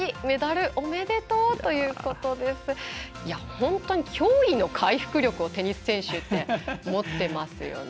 本当に脅威の回復力をテニス選手って持っていますよね。